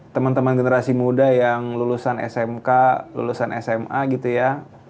teman teman generasi muda yang lulusan smk lulusan sma gitu ya